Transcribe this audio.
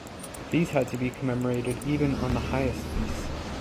These had to be commemorated even on the highest feasts.